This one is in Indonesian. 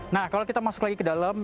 nah kalau kita masuk lagi ke dalam